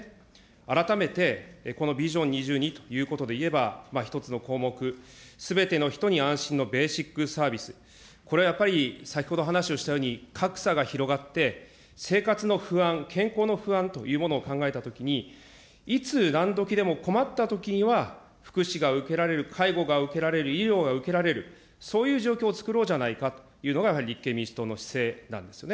改めてこのビジョン２２ということでいえば、１つの項目、すべての人に安心のベーシックサービス、これ、やっぱり先ほど話をしたように、格差が広がって、生活の不安、健康の不安というものを考えたときに、いつ何時でも困ったときには福祉が受けられる、介護が受けられる、医療が受けられる、そういう状況を作ろうじゃないかというのが、やはり立憲民主党の姿勢なんですね。